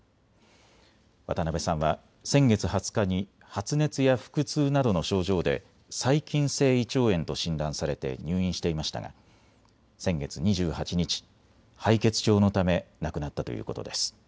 渡辺さんは先月２０日に発熱や腹痛などの症状で細菌性胃腸炎と診断されて入院していましたが先月２８日、敗血症のため亡くなったということです。